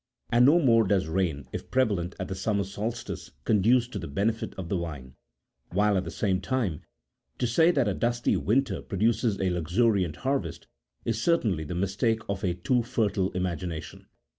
And no more does rain, if prevalent at the summer solstice, conduce to the benefit21 of the vine : while, at the same time, to say that a dusty winter produces a luxuriant harvest, is cer tainly the mistake of a too fertile imagination.